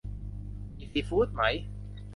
มีซีฟู้ดไหม